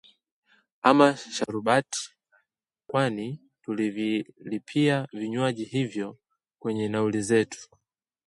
ama sharubati kwani tulivilipia vinywaji hivyo kwenye nauli zetu